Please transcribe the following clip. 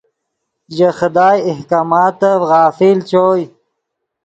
ژے خدائے احکاماتف غافل چوئے